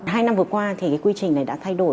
hai năm vừa qua thì cái quy trình này đã thay đổi